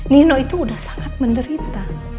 nino itu sudah sangat menderita